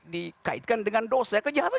dikaitkan dengan dosa kejahatan